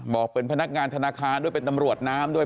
บอกเป็นพนักงานธนาคารด้วยเป็นตำรวจน้ำด้วย